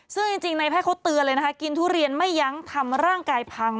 ซึ่งจริงในแพทย์เขาเตือนเลยนะคะกินทุเรียนไม่ยั้งทำร่างกายพัง